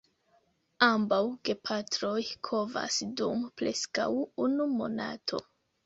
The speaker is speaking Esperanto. Ambaŭ gepatroj kovas dum preskaŭ unu monato.